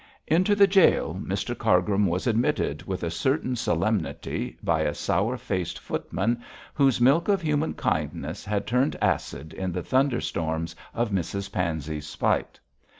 Into the gaol Mr Cargrim was admitted with certain solemnity by a sour faced footman whose milk of human kindness had turned acid in the thunderstorms of Mrs Pansey's spite.